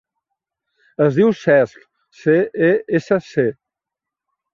Es diu Cesc: ce, e, essa, ce.